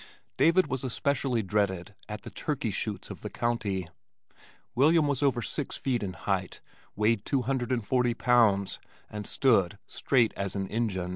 David was especially dreaded at the turkey shoots of the county. William was over six feet in height, weighed two hundred and forty pounds, and stood "straight as an Injun."